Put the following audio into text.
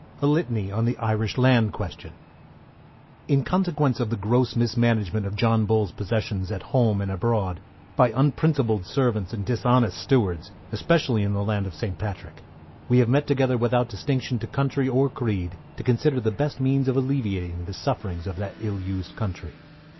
A LITANY ON THE IRISH LAND QUESTION. In consequence of the gross mismanagement of John Bull's possessions at home and abroad, by unprincipled servants and dishonest stewards; especially in the land of St. Patrick, we have met together without distinction to country or creed, to consider the best means of alleviating the sufferings of that ill used country.